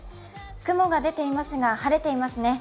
雲が出ていますが晴れていますね。